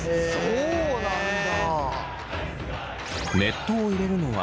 そうなんだ！